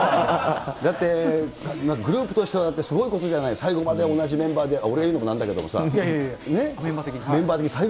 だってグループとしては、すごいことじゃないですか、最後まで同じメンバーで、あっ、メンバー的に。